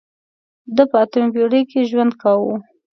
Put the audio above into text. ده په اتمې پېړۍ کې ژوند کاوه.